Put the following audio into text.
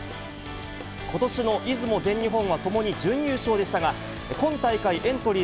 ことしの出雲、全日本はともに準優勝でしたが、今大会エントリー